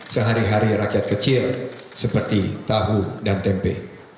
sehari hari rakyat kecil seperti tahu dan tempe